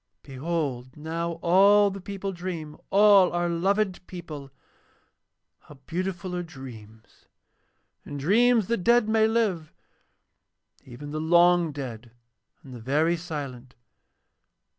'Behold now all the people dream, all our loved people. How beautiful are dreams! In dreams the dead may live, even the long dead and the very silent.